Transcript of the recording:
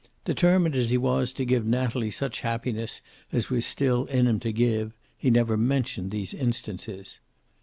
Determined as he was to give Natalie such happiness as was still in him to give, he never mentioned these instances.